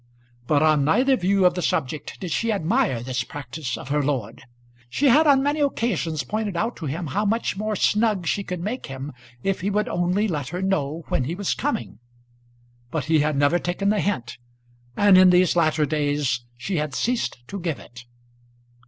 But on neither view of the subject did she admire this practice of her lord. She had on many occasions pointed out to him how much more snug she could make him if he would only let her know when he was coming. But he had never taken the hint, and in these latter days she had ceased to give it.